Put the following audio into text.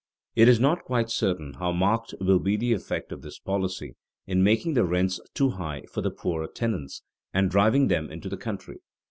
It is not quite certain how marked will be the effect of this policy in making the rents too high for the poorer tenants and driving them into the country.